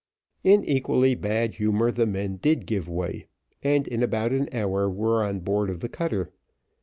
In equally bad humour the men did give way, and in about an hour were on board of the cutter.